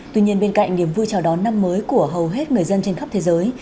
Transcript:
tuy nhiên bên cạnh niềm vui chào đón năm mới của hầu hết người dân trên khắp thế giới